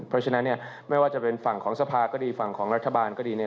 เพราะฉะนั้นเนี่ยไม่ว่าจะเป็นฝั่งของสภาก็ดีฝั่งของรัฐบาลก็ดีเนี่ย